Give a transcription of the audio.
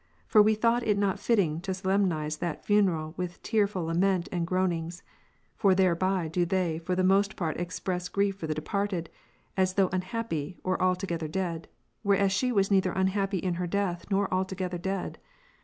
For "x we thought it not fitting to solemnize that funeral with tear ^ful lament, and groanings : for thereby do they for the most part express grief for the departed, as though unhappy, or altogether dead; whereas she was neither unhappy in her death, nor altogether dead.